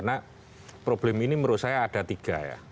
nah problem ini menurut saya ada tiga ya